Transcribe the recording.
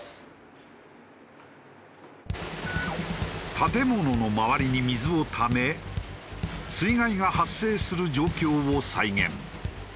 建物の周りに水をため水害が発生する状況を再現。